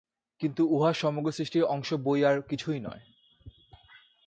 কিন্তু উহা সমগ্র সৃষ্টির অংশ বৈ আর কিছুই নয়।